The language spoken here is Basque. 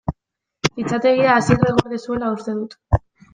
Fitxategia Asierrek gorde zuela uste dut.